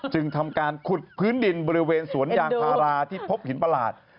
จึงทำการขุดพื้นดินบริเวณสวนยางพาราที่พบหินประหลาด